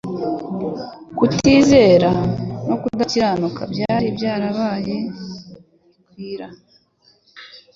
kutizera, no kudakiranuka byari byarabaye gikwira.